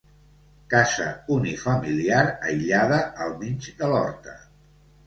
Casa unifamiliar aïllada al mig de l'horta.